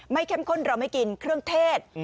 เข้มข้นเราไม่กินเครื่องเทศ